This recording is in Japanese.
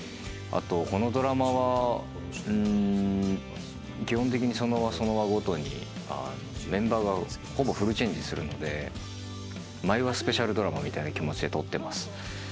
あとこのドラマは基本的にその話その話ごとにメンバーがほぼフルチェンジするので毎話スペシャルドラマみたいな気持ちで撮ってます。